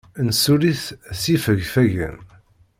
Nessuli-t s yifegfagen.